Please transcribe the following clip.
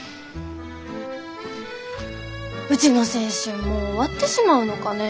うちの青春もう終わってしまうのかね。